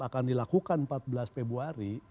akan dilakukan empat belas februari